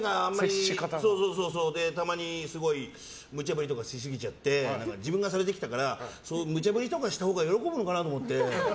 たまにすごいむちゃぶりとかしすぎちゃって自分がされてきたからむちゃ振りとかしたほうが喜ぶのかなと思って。